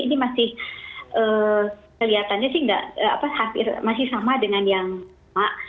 ini masih kelihatannya sih masih sama dengan yang sama